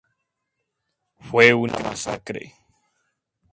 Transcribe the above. Fue una masacre.